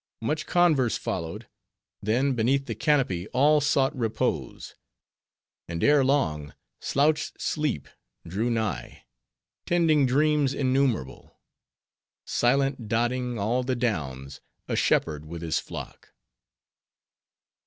Much converse followed. Then, beneath the canopy all sought repose. And ere long slouched sleep drew nigh, tending dreams innumerable; silent dotting all the downs a shepherd with his flock.